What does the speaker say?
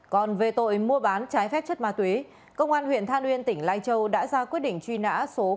còn về tội mua bán trái phép chất ma túy công an huyện than uyên tỉnh lai châu đã ra quyết định truy nã số hai